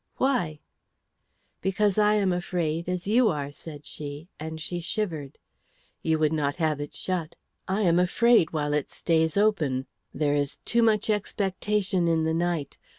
"Why?" "Because I am afraid, as you are," said she, and she shivered. "You would not have it shut. I am afraid while it stays open. There is too much expectation in the night.